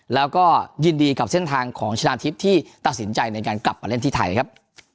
แล้วก็ยินดีกับเส้นทางของชนะทิพย์ที่ตัดสินใจในการกลับมาเล่นที่ไทยครับ